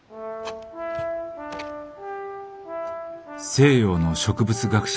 「西洋の植物学者